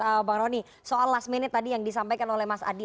oke bang rony soal last minute tadi yang disampaikan oleh mas adi